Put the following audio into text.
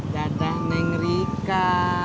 dadah neng rika